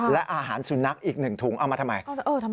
และอาหารสุนัขอีก๑ถุงเอามาทำไม